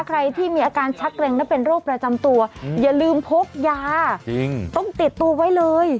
ใครที่มีอาการชักเกร็งและเป็นโรคประจำตัวอย่าลืมพกยาจริงต้องติดตัวไว้เลย